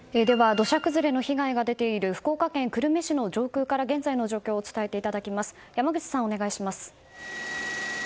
土砂崩れの被害が出ている福岡県久留米市の上空から現在の状況を伝えてもらいます。